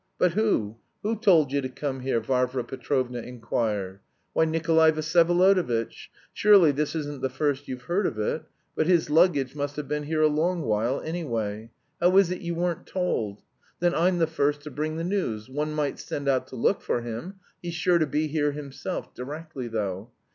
"But who? Who told you to come here?" Varvara Petrovna inquired. "Why, Nikolay Vsyevolodovitch! Surely this isn't the first you've heard of it! But his luggage must have been here a long while, anyway. How is it you weren't told? Then I'm the first to bring the news. One might send out to look for him; he's sure to be here himself directly though.